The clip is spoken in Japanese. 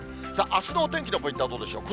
あすのお天気のポイントはどうでしょう。